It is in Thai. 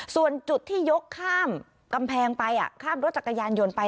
ส่วนจุดที่ยกข้ามกำแพงไปข้ามรถจักรยานยนต์ไป